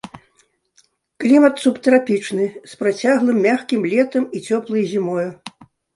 Клімат субтрапічны, з працяглым мяккім летам і цёплай зімой.